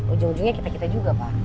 ujung ujungnya kita kita juga pak